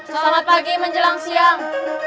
selamat pagi menjelang siang